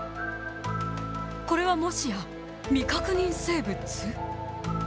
これはもしや、未確認生物？